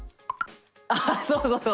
あっそうそうそう。